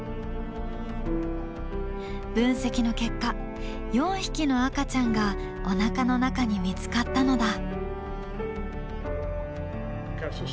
分析の結果４匹の赤ちゃんがおなかの中に見つかったのだ。